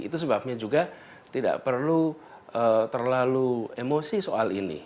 itu sebabnya juga tidak perlu terlalu emosi soal ini